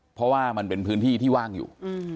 เพราะว่ามันเป็นพื้นที่ที่ว่างอยู่